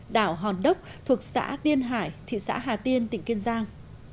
đảo hòn đốc thuộc xã tiên hải thị xã hà tiên tỉnh kiên giang